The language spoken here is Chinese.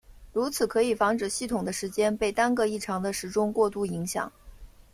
如此可以防止系统的时间被单个异常的时钟过度影响。